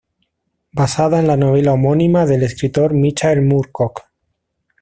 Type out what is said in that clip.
Basada en la novela homónima del escritor Michael Moorcock.